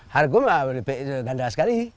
harganya ganda sekali